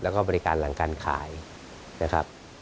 แล้วก็บริการหลังการขายนะครับ